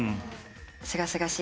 すがすがしい